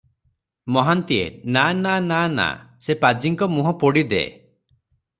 ମହାନ୍ତିଏ-ନା -ନା -ନା -ନା, ସେ ପାଜିଙ୍କ ମୁହଁ ପୋଡ଼ି ଦେ ।